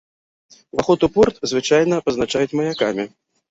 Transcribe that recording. Уваход у порт звычайна пазначаюць маякамі.